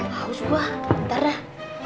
haus gua ntar dah